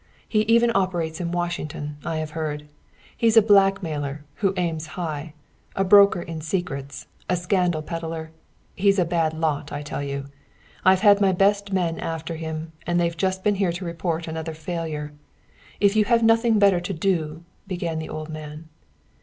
He even operates in Washington, I have heard. He's a blackmailer, who aims high a broker in secrets, a scandal peddler. He's a bad lot, I tell you. I've had my best men after him, and they've just been here to report another failure. If you have nothing better to do " began the old man.